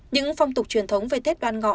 những phong tục truyền thống về tết đoàn ngọ